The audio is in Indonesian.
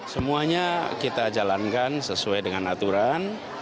semuanya kita jalankan sesuai dengan aturan